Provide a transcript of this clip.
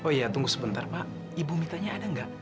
oh iya tunggu sebentar pak ibu mitanya ada gak